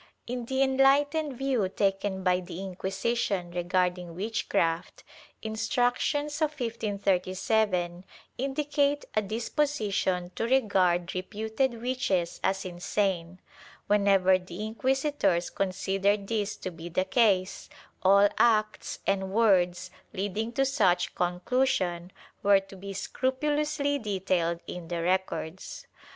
In the enlightened view taken by the Inquisition regarding witch craft, instructions of 1537 indicate a disposition to regard reputed witches as insane; whenever the inquisitors considered this to be the case, all acts and words leading to such conclusion were to be scrupulously detailed in the records.